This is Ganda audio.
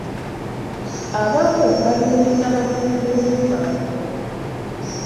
Abamu balumiriza bakulembeze baabwe.